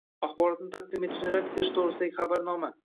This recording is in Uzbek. xborotni taqdim etishni rad qilish to‘g‘risidagi xabarnoma